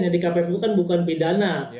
jadi kppu kan bukan pidana